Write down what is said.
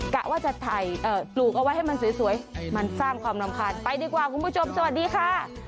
กะว่าจะถ่ายปลูกเอาไว้ให้มันสวยมันสร้างความรำคาญไปดีกว่าคุณผู้ชมสวัสดีค่ะ